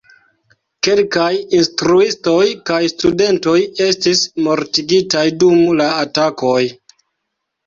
Kelkaj instruistoj kaj studentoj estis mortigitaj dum la atakoj.